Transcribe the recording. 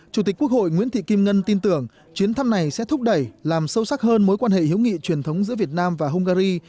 chủ tịch quốc hội nguyễn thị kim ngân tin tưởng chuyến thăm này sẽ thúc đẩy làm sâu sắc hơn mối quan hệ hữu nghị truyền thống giữa việt nam và hungary